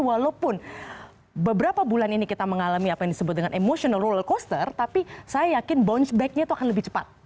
walaupun beberapa bulan ini kita mengalami apa yang disebut dengan emotional rural coaster tapi saya yakin bounce back nya itu akan lebih cepat